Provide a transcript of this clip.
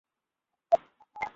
গ্রাহকরা আসতে ভয় পাচ্ছে।